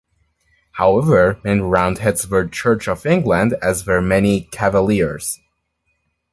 However many Roundheads were Church of England, as were many Cavaliers.